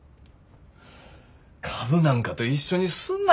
株なんかと一緒にすんな。